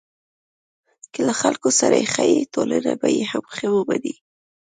که له خلکو سره ښه یې، ټولنه به تا هم ښه ومني.